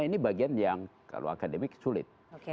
ini bagian yang kalau akademik sulit